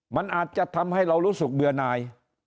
มันอาจจะทำให้เรารู้สึกเบื่อหน่าย